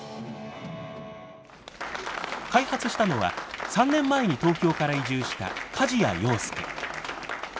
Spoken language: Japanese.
開発したのは３年前に東京から移住した梶屋陽介。